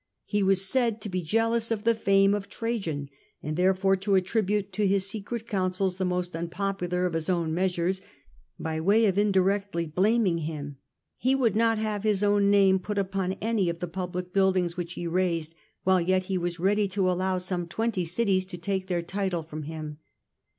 He was said to be jealous of the fame of Trajan, and therefore to attribute to his secret counsels the most unpopular of his own measures ; by way of indirectly blaming him, he would not have his own name put upon any of the public buildings which he raised, while yet he was ready to allow some twenty cities to take their title from him.